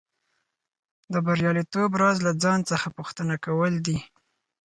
د بریالیتوب راز له ځان څخه پوښتنه کول دي